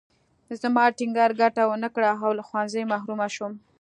زما ټینګار ګټه ونه کړه او له ښوونځي محرومه شوم